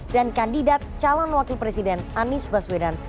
dan kandidat calon wakil presiden anies baswedan